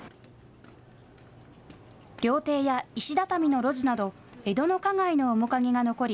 料亭や石畳の路地など江戸の花街の面影が残り